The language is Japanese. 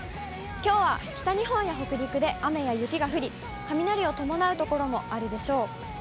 きょうは北日本や北陸で雨や雪が降り、雷を伴う所もあるでしょう。